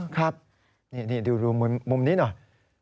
ครับนี่ดูมุมนี้หน่อย